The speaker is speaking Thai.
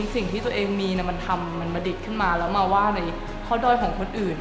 สิ่งที่ตัวเองมีมันทำมันประดิษฐ์ขึ้นมาแล้วมาว่าในข้อด้อยของคนอื่น